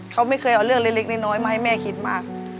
เขาไม่เคยเอาเรื่องเล็กน้อยมาให้แม่คิดมาก